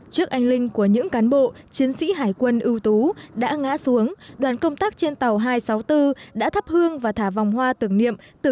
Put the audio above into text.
trước anh linh của những cán bộ chiến sĩ hải quân ưu tú đã ngã xuống đoàn công tác trên tàu hai trăm sáu mươi bốn đã thắp hương và thả vòng hoa tưởng niệm